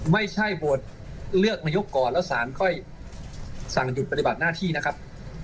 ไม่ใช่โหวตเลือกนายกก่อนแล้วสารค่อยสั่งหยุดปฏิบัติหน้าที่นะครับ